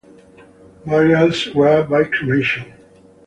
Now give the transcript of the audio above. Burials were by cremation.